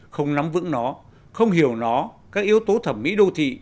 không nắm vững nó không hiểu nó các yếu tố thẩm mỹ đô thị